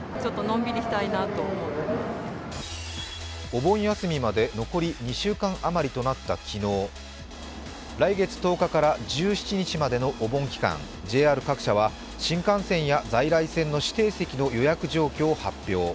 お盆休みまで残り２週間あまりとなった昨日、来月１０日から１７日のお盆期間、ＪＲ各社は、新幹線や在来線の指定席の予約状況を発表。